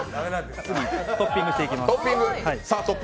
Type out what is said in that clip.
次にトッピングしていきます。